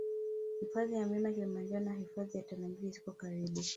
Hifadhi ya Mlima Kilimanjaro na Hifadhi ya Tarangire ziko karibu